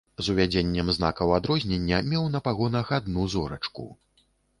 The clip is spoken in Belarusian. З увядзеннем знакаў адрознення меў на пагонах адну зорачку.